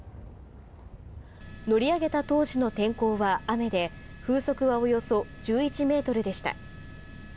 乗り上げた当時の天候は雨で風速はおよそ１１ｍでした。